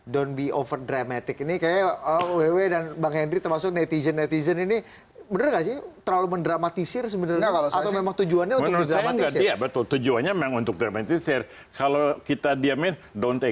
jokowi dan sandi